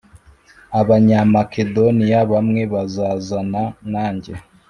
Abanyamakedoniya bamwe bazazana nanjye